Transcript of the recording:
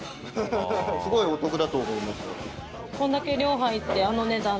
すごいお得だと思います。